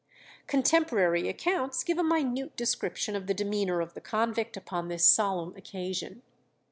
Contemporary accounts give a minute description of the demeanour of the convict upon this solemn occasion.